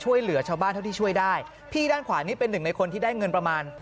ช่วยเหลือชาวบ้านเท่าที่ช่วยได้พี่ด้านขวานี่เป็นหนึ่งในคนที่ได้เงินประมาณ